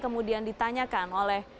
kemudian ditanyakan oleh